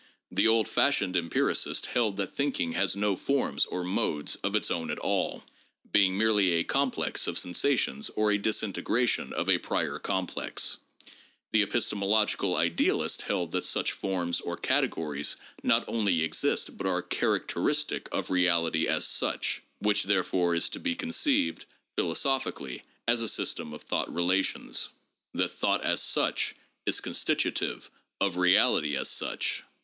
The old fashioned empiricist held that thinking has no forms or modes of its own at all, being merely a complex of sensations or a disintegration of a prior complex ; the epistemological idealist held that such forms or categories not only exist but are characteristic of reality as such, which therefore is to be conceived, philosophically, as a system of thought relations ; that thought as such is constitutive of reality as such.